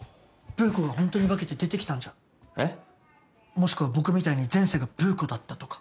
もしくは僕みたいに前世がブー子だったとか。